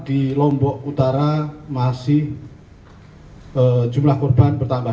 untuk lombok utara masih jumlah kurban bertambah